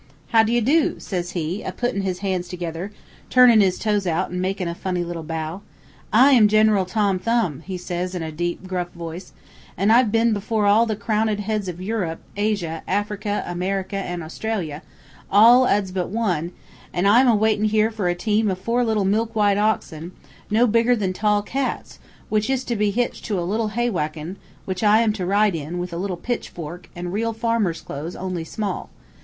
"'How d'ye do?' says he, a puttin' his hands together, turnin' his toes out an' makin' a funny little bow. 'I am General Tom Thumb,' he says in a deep, gruff voice, 'an' I've been before all the crown ed heads of Europe, Asia, Africa, America an' Australia, all a's but one, an' I'm waitin' here for a team of four little milk white oxen, no bigger than tall cats, which is to be hitched to a little hay wagon, which I am to ride in, with a little pitch fork an' real farmer's clothes, only small.